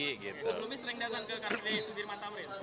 sebelumnya sering datang ke car free day di sudirman tamri